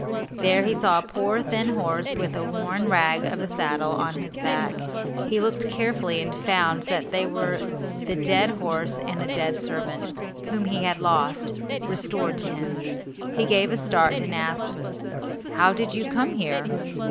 There he saw a poor thin horse with a worn rag of a saddle on his back. He looked carefully and found that they were the dead horse and the dead servant, whom he had lost, restored to him. He gave a start, and asked, "How did you come here?"